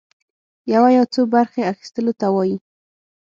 يوه يا څو برخي اخيستلو ته وايي.